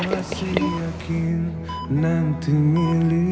aku masih di tempatmu